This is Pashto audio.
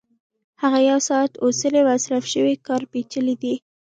هغه یو ساعت اوسنی مصرف شوی کار پېچلی دی